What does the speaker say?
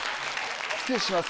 失礼します。